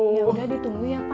yaudah ditunggu ya pak